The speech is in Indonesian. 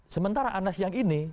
sementara anas yang ini